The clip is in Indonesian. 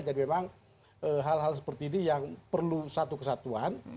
jadi memang hal hal seperti ini yang perlu satu kesatuan